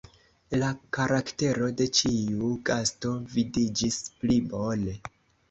La karaktero de ĉiu gasto vidiĝis pli bone.